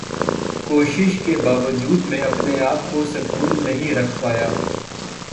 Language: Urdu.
کوشش کے باوجود میں اپنے آپ کو سکون نہیں رکھ پایا۔